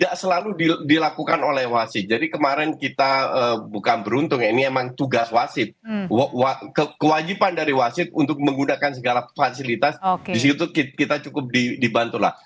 kewajiban dari wasit untuk menggunakan segala fasilitas disitu kita cukup dibantu lah